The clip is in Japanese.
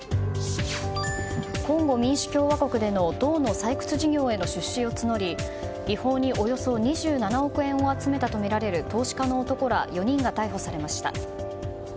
コンゴ民主共和国での銅の採掘事業への出資を募り違法におよそ２７億円を集めたとみられる投資家の男ら４人が逮捕されました。